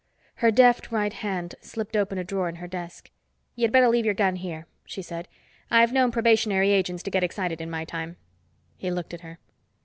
Her deft right hand slipped open a drawer in her desk. "You'd better leave your gun here," she said. "I've known probationary agents to get excited, in my time." He looked at her.